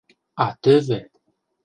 — А тӧвӧ!